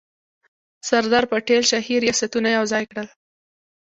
سردار پټیل شاهي ریاستونه یوځای کړل.